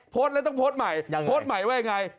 โพสต์แล้วต้องโพสต์ใหม่โพสต์ใหม่ว่ายังไง